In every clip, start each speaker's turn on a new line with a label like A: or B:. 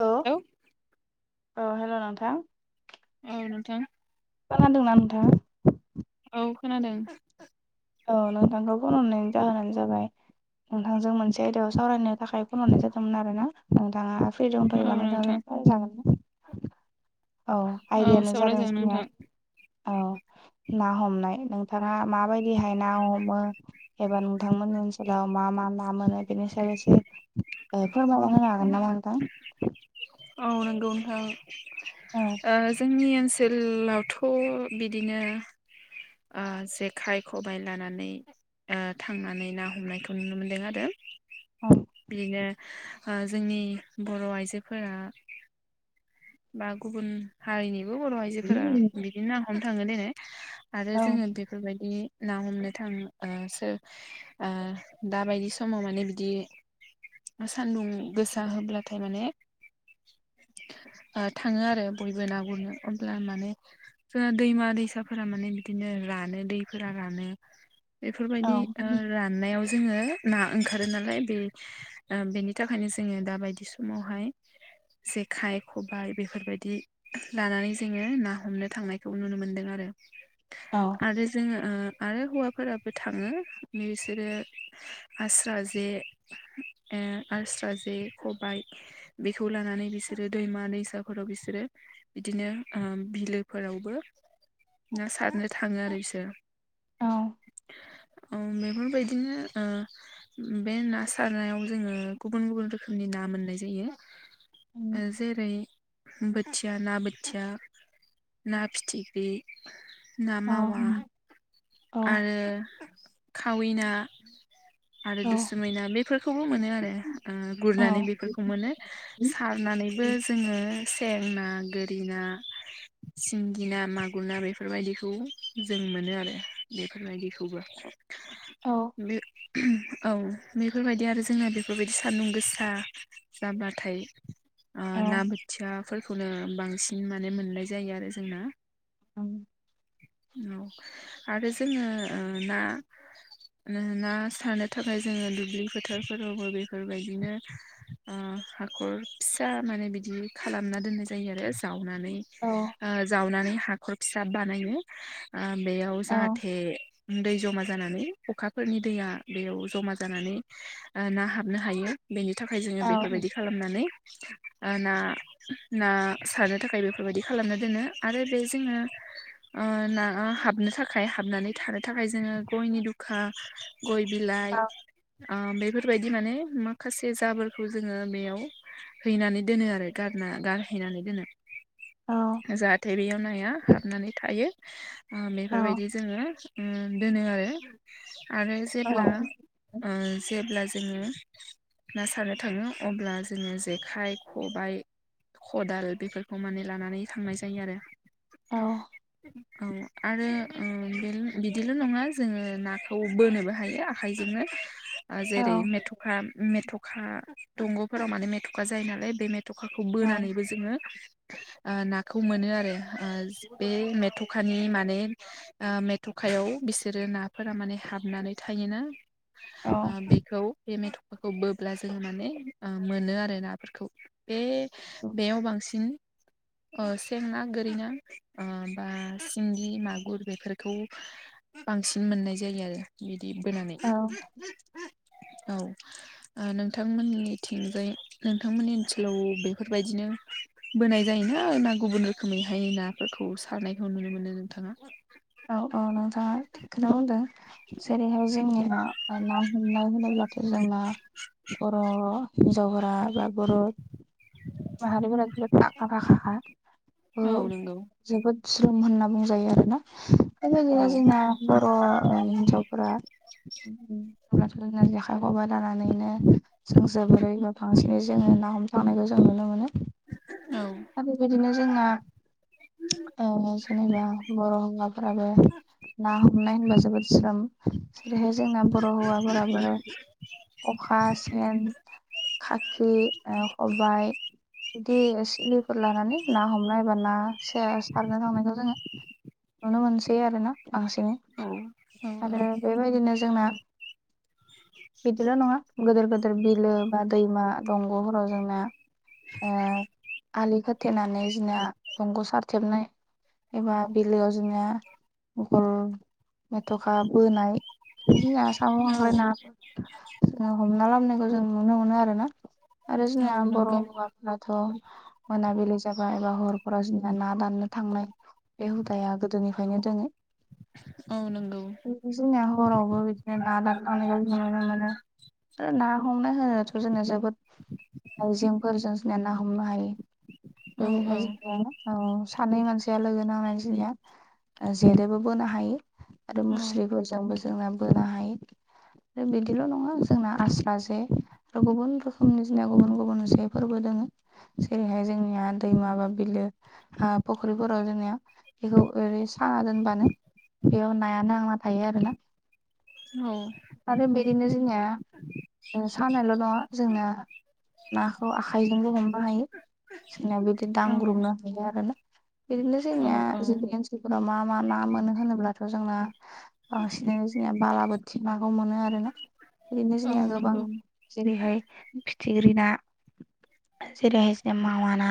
A: औ
B: हेलौ
A: औ हेल' नोंथां
B: औ नोंथां
A: खोनादोंना नोंथाङा
B: औ खोनादों
A: औ नोंथांखौ फन हरनायनि जाहोनानो जाबाय नोंथांजों मोनसे आयदायाव सावरायनो थाखाय फन हरनाय जादोंमोन आरो ना नोंथाङा फ्रि
B: औ
A: दंथयोबा
B: नोंथां
A: नोंथांजों सावरायजागोन औ
B: औ
A: आयदायानो जादों
B: सावरायजागोन
A: जोंनिया
B: नोंथां
A: औ ना हमनाय नोंथाङा माबायदि दिहाय ना हमो एबा नोंथांमोननि ओनसोलाव मा मा ना मोनो बेनि सायाव एसे फोरमायना होनो हागोन नामा नोंथां
B: औ नंगौ नोंथां
A: औ
B: जोंनि ओनसोलाव ओनसोलावथ' बिदिनो जेखाइ खबबाय लानानै थांनानै ना हमनायखौ नुनो मोनदों आरो
A: औ
B: बिदिनो जोंनि बर' आइजोफोरा बा गुबुन हारिनिबो बर' आइजोफोरा बिदिनो ना हमनो थाङो देनाय आरो
A: औ
B: जोङो बेफोरबायदि ना हमनो थाङो सोर दाबायदि समाव माने बिदि सान्दुं गोसा होब्लाथाय माने
A: [inaudible]
B: थाङो आरो बयबो ना गुरनो हब्ला माने जोंहा दैमा दैसाफोरा माने बिदिनो रानो दैफोरा रानो
A: औ
B: बेफोरबायदि राननायाव जोङो ना ओंखारो नालाय बे बेनि थाखायनो जोङो दा बायदि समावहाय जेखाय खबाय बेफोरबायदि लानानै जोङो ना हमनो थांनायखौ नुनो मोनदों आरो आरो जोङो आरो हौवा फोराबो थाङो बिसोरो आस्रा जे आस्रा जे खबायाइ बेखौ लानानै बिसोरो दैमा दैसाफोराव बिसोरो बिदिनो बिलोफोरावबो ना सारनो थाङो आरो बिसोर
A: औ
B: बेफोरबायदिनो बे ना सारनायाव जोङो गुबुन गुबुन रोखोमनि ना मोननाय जायो जेरै बोथिया ना बोथिया ना फिथिख्रि ना
A: औ
B: मावा
A: औ
B: आरो खावैना
A: [inaudible]
B: आरो दुसुमै ना बेफोरखौबो मोनो आरो
A: औ
B: गुरनानै बेफोरखौ मोनो सा सारनानैबो जोङो सें ना गोरि ना सिंगि ना मागुर ना बेफोरबायदिखौ जों मोनो आरो बेफोरबायदिखौबो
A: औ
B: बे औ बेफोरबायदि आरो जोंना बेफोरबायदि सान्दुं गोसा जाब्लाथाय
A: औ
B: ना बोथियाफोरखौनो बांसिन माने मोननाय जायो आरो जोंना
A: ओं
B: औ आरो जोङो ना ना सारनो थाखाय जोङो दुब्लि फोथारफोरावबो बेफोरबायदिनो हाखर फिसा माने बिदि खालामना दोननाय जायो आरो जावनानै जावनानै हा हाखर फिसा बानायो बेयाव
A: औ
B: जाहाथे दै जमा जा जानानै अखाफोरनि दैया बेयाव जमा जानानै ना हाबनो हायो बेनि थाखाय
A: औ
B: जोङो बेफोरबायदि खालामनानै
A: [inaudible]
B: ना ना सारनो थाखाय बेफोरबायदि खालामना दोनो आरो बे जोङो ना हाबनो थाखाय हाबनानै थानो थाखाय जोङो गयनि दुखा गय बिलाइ बेफोरबायदि माने माखासे जाबोरफोरखौ जोङो बेयाव हैनानै दोनो आरो गारना गारहैनानै दोनो
A: औ
B: जाहाथे बेयाव नाया हाबनानै थायो बेफोरबायदि जोङो दोनो आरो आरो जेब्ला जेब्ला जोङो ना सारनो थाङो अब्ला जोङो जेखाइ खबाइ खदाल बेफोरखौ माने लानानै थांनाय जायो आरो
A: औ
B: औ आरो बिदिल' नङा जोङो नाखौ बोनोबो हायो आखाइजोंनो [unintelligible]
A: औ
B: जेरै
A: औ
B: मेथ'खा मेथ'खा दंग'फोराव माने मेथ'खा जायो नालाय बे मेथ थखाखौ बोनानैबो जोङो नाखौ मोनो आरो बे मेथ'खानि माने मेथ'खा हायाव बिसोरो नाफोरा माने हाबनानै थायोना
A: औ
B: बेखौ बे मेथ'खौ बोब्ला जोङो माने मोनो आरो नाफोरखौ बे बेयाव बांसिन
A: [inaudible]
B: सें ना गोरि ना बा सिंगि मागुर बेफोरखौ बांसिन मोननाय जायो आरो बिदि बिब्दि बोनानै औ नोंथांमोननि थिंजाय नोंथांमोननि ओनसोलाव बेफोरबायदिनो बोनाय जायोना ना गुबुन रोखोमै बेहाय नाफोरखौ सारनायखौ नुनो मोनो नोंथाङा
A: औ औ नोंथाङा थिगखौनो बुंदों जेरैहाय जोंनिया ना हमनाय होननानै बुंनाय जायो जाहाथे जोंना बर' हिनजावफोरा बा बर' माहारिफोरा जोबोद आखा फाखा खा ओ
B: औ नंगौ
A: जोबोद स्रोम होनना बुंजायो आरोना
B: औ
A: बेबायदिनो जोंना बर'आ हिनजावफोरा जेखाइ खबाइ लानानैनो जों जोबोरैबो बांसिनै जोङो ना हमनो थांनायखौ जों नुनो मोनो आरो बेबायदिनो जोंना ओ जेनेबा बर' हौवाफोराबो ना हमनाय होनबा जोबोद ज्रोम जेरैहाय जोंना बर' हौवाफोराबो अखा सेन साखि खबाय बिदि सिलिफोर लानानै ना हमनाय बा ना सारनो थांनायखौ जोङो नुनो मोनसै आरोना बांसिनै
B: औ औ
A: आरो बेबायदिनो जोंना [unintelligible] बिदिल' नङा गिदिर गेदिर बिलो बा दैमा दंग'फोराव जोंना आलि खोथेनानै जोंना दंग' सारथेबनाय एबा बिलोआव जोंनिया गल मेथ'खा बोनाय जोंना साम
B: औ
A: खांख्राय ना हमना लाबनायखौ जोंङो जों नुनो मोनो आरोना आरो
B: औ
A: जोंना बर'
B: नंगौ
A: हौवाफोराथ' मोनाबिलि जाबाय बा हरफोराव जोंना ना दाननो थांनाय बे हुदाया गोदोनिफ्रायनो दोङो
B: औ नंगौ
A: जोंना हरावबो बिदिनो ना दाननो थांनायखौ जों नुनो मोनो ना हमनो होनायाथ' जोंना जोबोद आइजें फोरजों जोगनिया ना हमनो हायो
B: औ औ
A: जोंनिाया सानै मानसिया लोगो नांनानै जोंनिया जेदोबो बोनो हायो आरो
B: औ
A: मुस्रिफोरजोंबो जोंना बोनो हायो आरो बिदिल' नङा जोंना आस्रा जे आरो गुबुन रोखोमनि जोंना गुबुन गुबुन जे फोरबो दोङो जेरैहाय जोंनिया दैमा बा बिलो फुख्रिफोराव जोंनिया बेखौ ओरै साना दोनबानो बेयाव नाया नांना थायो थायो आरोना
B: उम
A: आरो बिदिनो जोंनिया सानायल' नङा जोंना नाखौ आखाइजोंबो हमनो हायो जोंनिया बिदि
B: औ
A: दांग्रोमनो हायो आरो ना बिदिनो
B: औ
A: जोंनिया जोंनि ओनसोलफोराव मा मा ना मोनो होनोब्लाथ' जोंना बांसिनै जोंनिया बालाबोथि नाखौ मोनो आरो ना बिदिनो
B: औ
A: जोंनिया गोबां
B: नंगौ
A: जेरैहाय फिथिख्रि ना जेरैहाय जोंनिया मावा ना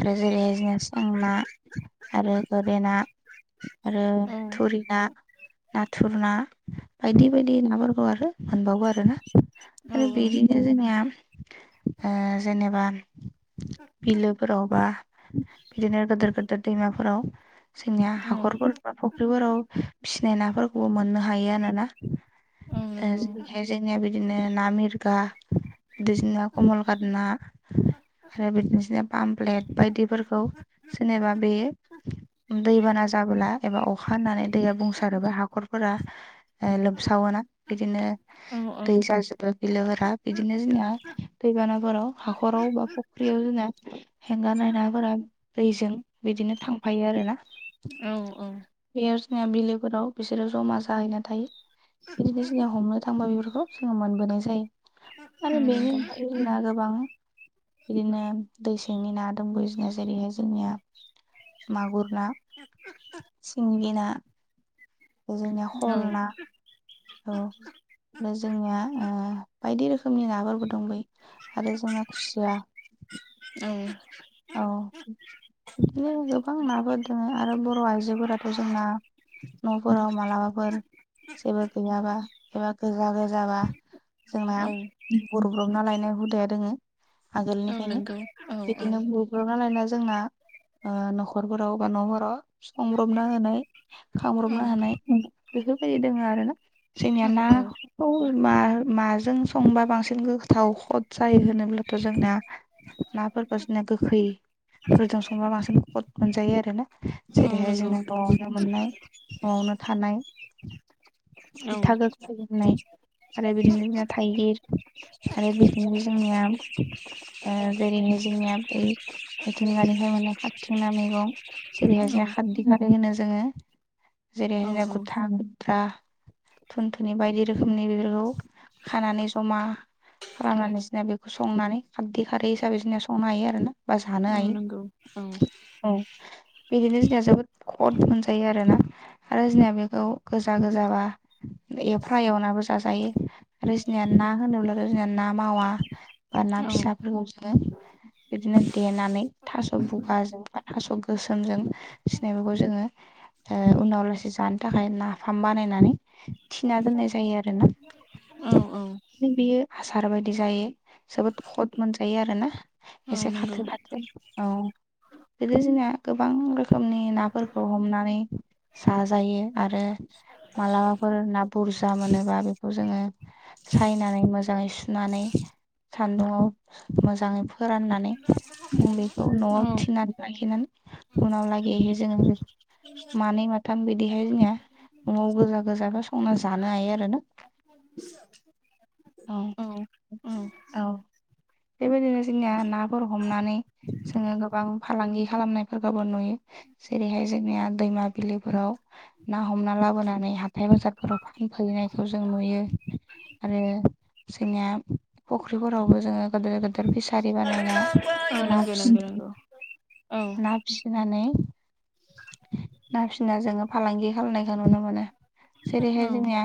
A: आरो जेरैहाय जोंनिया सें ना आरो गोरे ना आरो
B: औ
A: थुरि ना नाथुर ना बायदि बायदि नाफोरखौ आरो मोनबावो आरो ना
B: औ
A: आरो बेदिनो जोंनिया जेनेबा बिलोफोरावबा बिदिनो गोदोर गोदोर दैमाफोराव जोंनिया
B: औ
A: हाखरफोर बा फुख्रिफोराव फिसिनाय नाफोरखौबो मोननो हायो आरोना
B: औ नंगौ
A: जेरैहाय जोंनिया बिदिनो ना मिरगा बिदिनो कमलखाथ ना आरो बिदिनो जोंनिया पाम प्लेट बायदिफोरखौ जेनेबा बे दैबाना जाबोला एबा अखा हानानै दैया बुंसारोब्ला हाखरफोरा लोमसावोना बिदिनो
B: औ औ
A: दै जाजोबो बिदिनो जोंनिया दैबानाफोराव हाखराव बा फुख्रियाव जोंना हेंगार नाय नाफोरा दैजों बिदि बिदिनो थांफायो आरो ना
B: औ औ
A: बेयाव जोंनिया बिलोफोराव बिसोरो जमा जाहैना थायो बिदिनो जोंनिया हमनो थांबा बेफोरखौ जोङो मोनबोनाय जायो
B: ओम नोंगो
A: ना बां बिदिनो दैसेंनि ना दंबोयो बिदिनो जेरैहाय जोंनिया मागुर ना सिंगि ना बे जोंनिया खल ना औ आरो जोंनिया बायदि रोखोमनि नाफोरबो दंबयो आरो जोंना खुसिया [unintelligible] औ बिदिनो गोबां नाफोर दङ आरो बर' आइजोफोराथ' जोंना न'फोराव मालाबाफोर जेबो गैयाबा एबा गोजा गोजाबा जोंना गुरब्रबना लायनाय हुदाया दोङो
B: औ
A: आगोलनिफ्रायनो
B: नंगौ औ
A: बिदिनो गुरब्रबना लायना जोंना न'खरफोराव बा न'फोराव संब्रबना होनाय
B: औ
A: खांब्रबना होनाय बेफोरबायदि दङ आरो ना जोंनिया नाखौ माजों संबा बांसिन गोथाव औ खद जायो होनोब्लाथ' जोंना ना बायदिसना गोखैफोरजों संबा बांसिन कद मोनजायो आरो ना
B: औ
A: जेरैहाय जोङो
B: औ
A: न'आवनो मोननाय न'आवनो थानाय
B: नंगौ
A: मैदा गोखै होननाय आरो बिदिनो जोंनिया थाइगिर आरो बिदिनो जोंनिया जेरैहाय जोंनिया बै मिथिंगानिफ्राय मोननाय खाबथिंनाय मैगं जेरैहाय जों खारदि खारै होनो जोङो जेरैहाइ जोंनिया
B: औ
A: गुथा गुद्रा धुनथुनि बायदि रोखोमनि बेफोरखौ खानानै जमा खालामनानै जना बेखौ संनानै खारदै खारै हिसाबै जोंना संनो हायो आरो ना बा जानो हायो औ बिदिनो जोंनिया जोबोद खद मोनजायो आरोना आरो जोंनिया बेखौ खौ गोजा गोजाबा एवफ्रा एवनाबो जाजायो आरो जोंनिया ना होनोब्ला आरो जोंनिया ना मावा बा ना फिसाफोरखौ जोङो बिदिनो देनानै थास' बुगाजों बा थास' गोसोमजों सिनायखौ जोङो उनाव लासै जानो थाखाय नाफाम बानायनानै थिना दोननाय जायो आरो ना बियो आसार बायदि जायो जोबोद खद मोनजायो आरोना एसे खाथो
B: औ
A: खाथो औ बिदिनो जोंनिनाया गोबां रोखोमनि नाफोरखौ हमनानै जाजायो आरो मालाबाफोर ना बुरजा मोनोबा बेखौ जोङो सायनानै मोजाङै सुनानै सान्दुंङआव मोजाङै फोराननानै जों बेखौ
B: नंगौ औ
A: न'आव थिनानै लाखिनानै उनाव लागिहाय जोङो बेखौ मानै माथाम बिदिहाय जोंनिया न'आव गोजा गोजाबा संना जानो हायो आरो ना औ औ बेबायदिनो जोंनिया नाफोर हमनानै जोङो गोबां फालांगि खालामनायफोरखौबो नुयो जेरैहाय जोंनिया दैमा बिलिफोराव ना हमना लाबोनानै हाथाय बाजारफोराव फानफैनायखौ जों नुयो आरो जोंनिया फुख्रिफोरावबो जोङो गिदेर गेदेर फिसारि
B: औ
A: बानायना ना
B: नंगौ
A: फि
B: नंगौ नंगौ औ
A: ना फिसिनानै ना फिना जोङो फालांगि खालामनायखौ नुनो मोनो
B: औ
A: जेरैहाय जोंनिया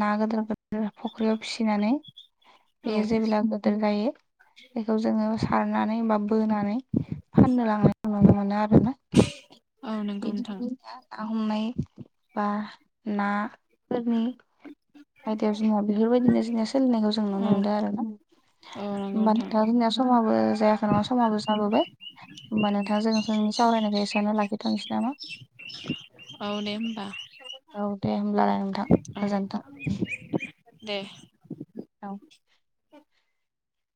A: ना गोदोर गोदोर फख्रियाव फिसिनानै
B: औ
A: बेयो जेब्ला गोदोर जायो बेखौ जोङो सारनानै बा बोनानै फाननो लांनायखौ नुनो मोनो आरोना
B: औ नंगौ नोंथां
A: बिदिनो ना हमनाय बा नाफोरनि आयदायाव जोंना बेफोरबायदिनो जोंनिया सोलिनायखौ जों
B: औ
A: नुनो मोनदों आरो ना
B: औ नंगौ
A: हमबा नोंथां जोंनिया समाबो जायाखै नङा समाबो जाबोबाय होमबा नोंथां जों जोंनि सावरायनायखौ एसेयावनो लाखिथनोसै नामा
B: औ दे होमबा
A: औ दे होमब्लालाय नोंथां
B: औ
A: गोजोनथों
B: दे
A: औ